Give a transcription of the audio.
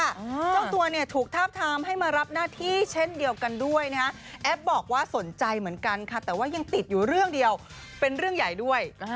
เจ้าตัวเนี่ยถูกทาบทามให้มารับหน้าที่เช่นเดียวกันด้วยนะฮะแอปบอกว่าสนใจเหมือนกันค่ะแต่ว่ายังติดอยู่เรื่องเดียวเป็นเรื่องใหญ่ด้วย